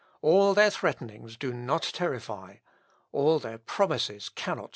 All their threatenings do not terrify all their promises cannot seduce me."